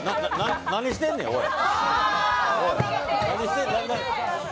何してんねん、おい。